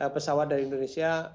pesawat dari indonesia